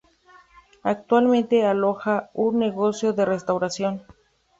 Actualmente aloja un negocio de restauración.